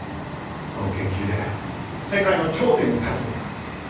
この研究で世界の頂点に立つのだ。